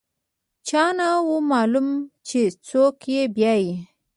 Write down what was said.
چا نه و معلوم چې څوک یې بیايي.